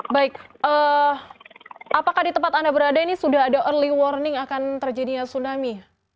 baik apakah di tempat anda berada ini sudah ada early warning akan terjadinya tsunami